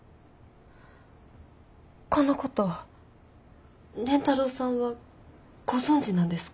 このこと蓮太郎さんはご存じなんですか？